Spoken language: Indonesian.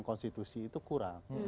konstitusi itu kurang